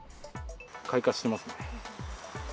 開花してますね。